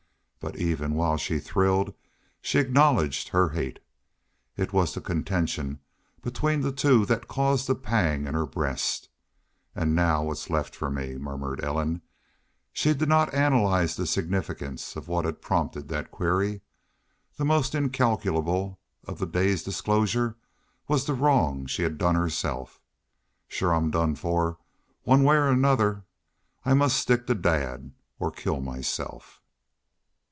But even while she thrilled she acknowledged her hate. It was the contention between the two that caused the pang in her breast. "An' now what's left for me?" murmured Ellen. She did not analyze the significance of what had prompted that query. The most incalculable of the day's disclosures was the wrong she had done herself. "Shore I'm done for, one way or another.... I must stick to Dad.... or kill myself?"